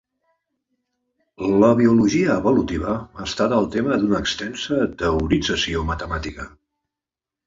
La biologia evolutiva ha estat el tema d'una extensa teorització matemàtica.